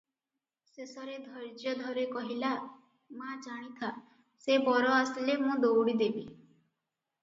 ଶେଷରେ ଧୈର୍ଯ୍ୟ ଧରି କହିଲା, "ମା, ଜାଣିଥା- ସେ ବର ଆସିଲେ ମୁଁ ଦଉଡ଼ି ଦେବି ।"